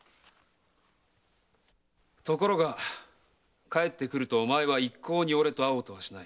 ところが帰ってくるとお前は一向に俺と会おうとしない。